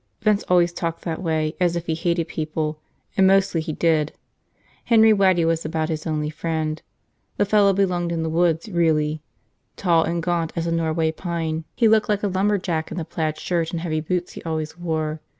Vince always talked that way, as if he hated people. And mostly he did. Henry Waddy was about his only friend. The fellow belonged in the woods, really. Tall and gaunt as a Norway pine, he looked like a lumberjack in the plaid shirt and heavy boots he always wore.